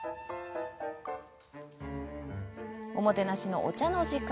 おもてなしのお茶の時間。